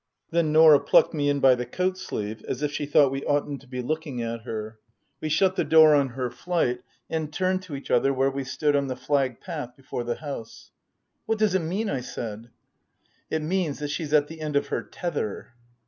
Then Norah plucked me in by the coat sleeve as if she thought we oughtn't to be looking at her. We shut the door on her flight and turned to each other where we stood on the flagged path before the house. " What does it mean ?" I said. " It means that she's at the end of her tether."